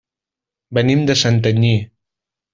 Venim de Santanyí.